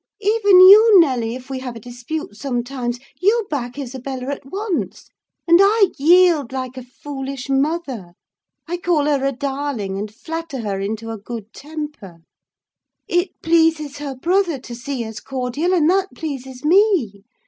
Even you, Nelly, if we have a dispute sometimes, you back Isabella at once; and I yield like a foolish mother: I call her a darling, and flatter her into a good temper. It pleases her brother to see us cordial, and that pleases me.